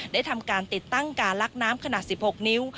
ได้ทำการติดตั้งการลักน้ำขนาด๑๖นิ้ว